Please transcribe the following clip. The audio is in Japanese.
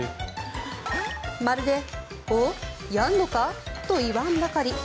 まるで「お、やんのか？」と言わんばかり。